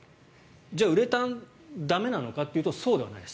じゃあ、ウレタン駄目なのかというとそうではないです。